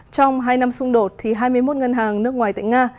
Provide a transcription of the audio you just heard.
trong hai năm xung đột hai mươi một ngân hàng nước ngoài tại nga